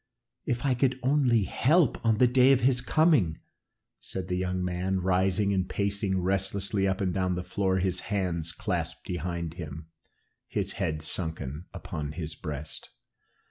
"If I could only help on the day of his coming!" said the young man, rising and pacing restlessly up and down the floor, his hands clasped behind him, his head sunken upon his breast.